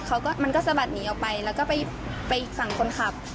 มันก็มันก็สะบัดหนีออกไปแล้วก็ไปอีกฝั่งคนขับ